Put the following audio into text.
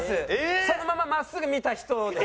そのまま真っすぐ見た人です。